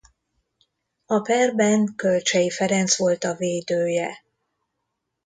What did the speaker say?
A perben Kölcsey Ferenc volt a védője.